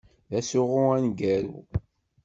D asuɣu aneggaru.